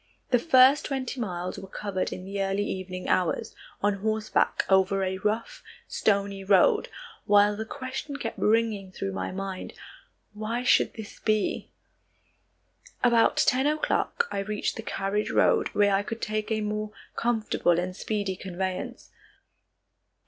The first twenty miles were covered in the early evening hours, on horseback over a rough, stony road, while the question kept ringing through my mind, "Why should this be?" About ten o'clock I reached the carriage road where I could take a more comfortable and speedy conveyance.